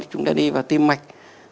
chúng ta đi vào tim mạch